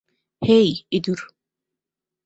হেই, ইঁদুর!